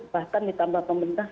bahkan ditambah pembentah